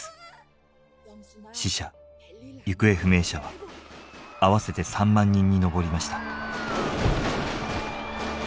死者行方不明者は合わせて３万人に上りました。